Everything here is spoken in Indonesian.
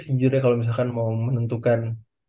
sejujurnya kalau misalkan mau menentukan